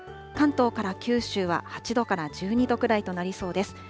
関東から九州は８度から１２度くらいとなりそうです。